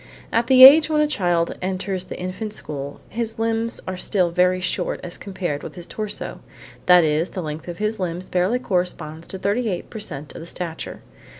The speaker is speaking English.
At the age when a child enters the infant school his limbs are still very short as compared with his torso; that is, the length of his limbs barely corresponds to 38 per cent of the stature.